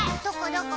どこ？